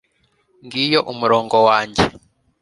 ngiyo umurongo wanjye